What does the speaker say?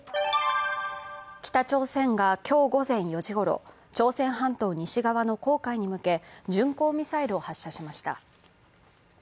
北朝鮮が今日午前４時ごろ、朝鮮半島西側の黄海に向け、巡航ミサイルを発射しました。